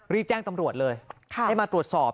รีบแจ้งตำรวจเลยให้มาตรวจสอบ